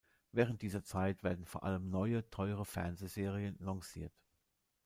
Während dieser Zeit werden vor allem neue, teure Fernsehserien lanciert.